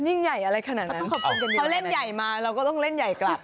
ยิ่งใหญ่อะไรขนาดนั้นเขาเล่นใหญ่มาเราก็ต้องเล่นใหญ่กลับ